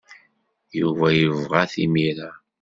Yuba yebɣa-t imir-a.